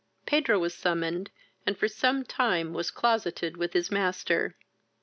Pedro was summoned, and for some time was closeted with his master.